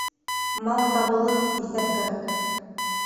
Мал табылыр, иҫәп кәрәк.